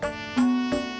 tidak ada yang bisa diberikan